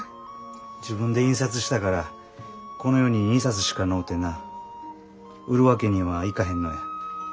自分で印刷したからこの世に２冊しかのうてな売るわけにはいかへんのや。